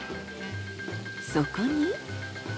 そこに。